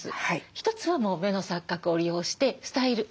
一つはもう目の錯覚を利用してスタイルアップ。